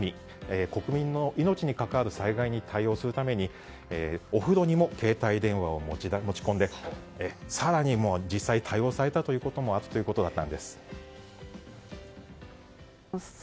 国民の命にかかわる災害に対応するためにお風呂にも携帯電話を持ち込んで更に、実際対応されたこともあるということでした。